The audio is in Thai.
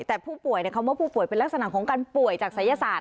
แต่ผู้ป่วยคำว่าผู้ป่วยเป็นลักษณะของการป่วยจากศัยศาสต